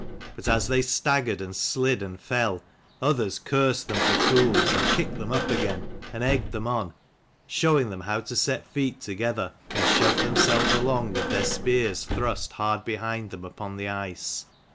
But as they staggered and slid and fell others cursed them for fools, and kicked them up again, and egged them on ; showing them how to set feet together and shove themselves along with their spears thrust hard behind them upon the ice.